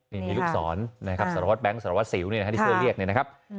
นี่มีลูกศรนะครับสารวัสแบงก์สารวัสศิลป์ที่เจ้าเรียกนะครับ